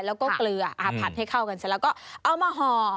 แล้วก็เกลือผัดให้เข้ากันเสร็จแล้วก็เอามาห่อ